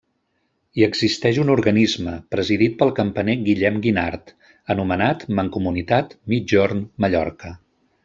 Hi existeix un organisme, presidit pel campaner Guillem Ginard, anomenat Mancomunitat Migjorn Mallorca.